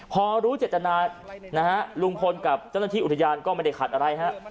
พอรู้เจตนานะฮะลุงพลกับเจ้าหน้าที่อุทยานก็ไม่ได้ขัดอะไรฮะ